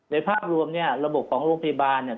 ภาพรวมเนี่ยระบบของโรงพยาบาลเนี่ย